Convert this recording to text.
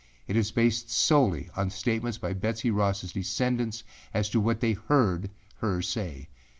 It is based solely on statements by Betsey Rossâ descendants as to what they heard her say.